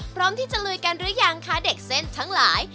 พร้อมที่จะลุยกันหรือยังคะเด็กเส้นทั้งหลาย